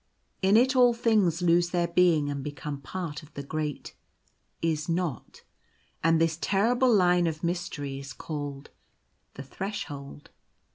In it all things lose their being and become part of the great Is Not; and this terrible line of mystery is called The Threshold.